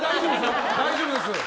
大丈夫ですよ。